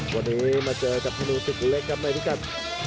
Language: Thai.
วันนี้มาเจอกับธนูศึกเล็กครับในพิกัด